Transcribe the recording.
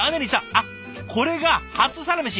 あっこれが初サラメシ。